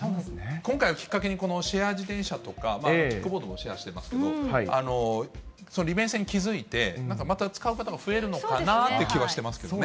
今回をきっかけにシェア自転車とか、キックボードもシェアしてますけど、利便性に気付いて、なんかまた使う方が増えるのかなという気はしてますけれどもね。